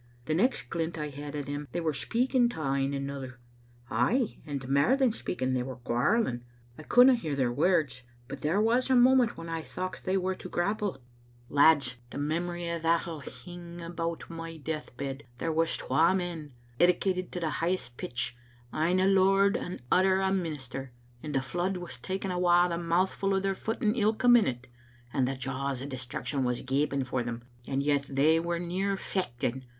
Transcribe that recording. The next glint I had o* them they were speaking to ane another; ay, and mair than speaking. They were quarrelling. I couldna hear their words, but there was a moment when I thocht they were to Digitized by VjOOQ IC ftSd Zbc little ministet, grapple. Lads, the memory o* that'll hing a1x>ut my deathbed. There was twa men, edicated to the high est pitch, ane a lord and the other a minister, and the flood was taking awa a mouthful o' their footing ilka minute, and the jaws o' destruction was gaping for them, and yet they were near fechting.